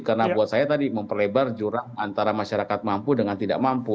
karena buat saya tadi memperlebar jurang antara masyarakat mampu dengan tidak mampu